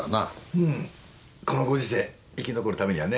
うんこのご時世生き残るためにはね。